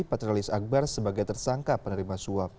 patrialis akbar sebagai tersangka penerima suap